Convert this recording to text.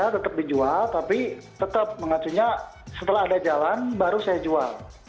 tetap dijual tapi tetap mengacunya setelah ada jalan baru saya jual